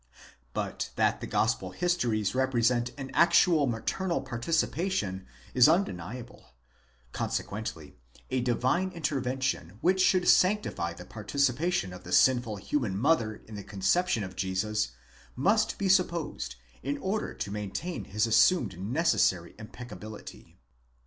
But that the gospel histories represent an actual maternal participation is undeniable ; consequently a divine intervention which should sanctify the participation of the sinful human mother in the conception of Jesus must be supposed in order to maintain his assumed necessary impeccability.